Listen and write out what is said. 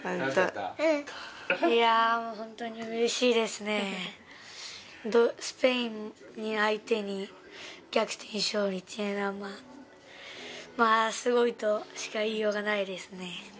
いやあ、もう本当にうれしいですね、スペイン相手に逆転勝利っていうのはすごいとしか言いようがないですね。